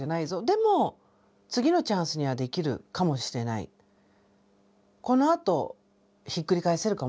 でも次のチャンスにはできるかもしれないこのあとひっくり返せるかもしれないっていうふうに信じる。